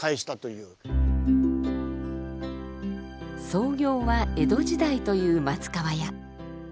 創業は江戸時代という松川屋。